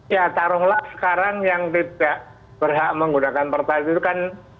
ya taruhlah sekarang yang tidak berhak menggunakan pertas itu kan